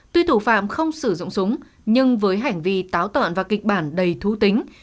tuy thủ phạm không sử dụng súng nhưng với hành vi táo tợn và kịch bản đầy thú tính